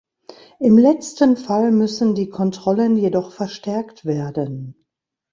Im letzten Fall müssen die Kontrollen jedoch verstärkt werden.